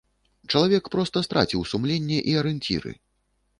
Чалавек проста страціў сумленне і арыенціры.